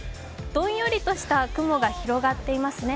どんよりとした雲が広がっていますね。